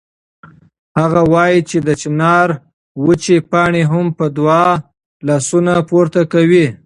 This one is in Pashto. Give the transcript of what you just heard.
هغه وایي چې د چنار وچې پاڼې هم په دعا لاسونه پورته کوي.